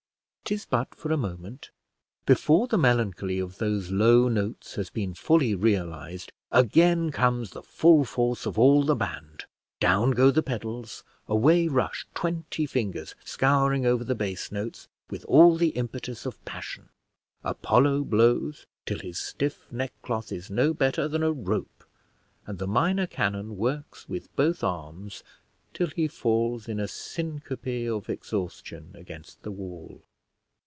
'Tis but for a moment: before the melancholy of those low notes has been fully realised, again comes the full force of all the band; down go the pedals, away rush twenty fingers scouring over the bass notes with all the impetus of passion. Apollo blows till his stiff neckcloth is no better than a rope, and the minor canon works with both arms till he falls in a syncope of exhaustion against the wall.